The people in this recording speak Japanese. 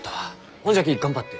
ほんじゃき頑張って。